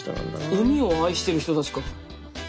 海を愛してる人たちか。